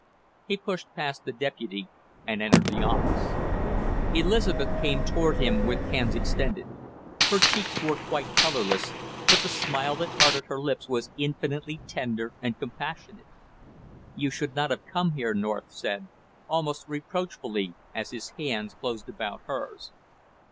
He pushed past the deputy and entered the office. Elizabeth came toward him with hands extended. Her cheeks were quite colorless but the smile that parted her lips was infinitely tender and compassionate. "You should not have come here!" North said, almost reproachfully, as his hands closed about hers.